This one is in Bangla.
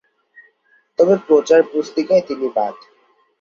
তবে প্রচার পুস্তিকায় তিনি বাদ।